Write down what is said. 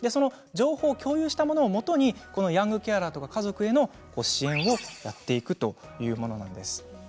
情報を共有したものをもとにヤングケアラーや家族への支援をやっていくというものなんです。